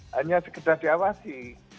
hanya sekedar diawasi